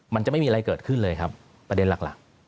มันจะไม่มีอะไรเกิดขึ้นเลยครับประเด็นหลัก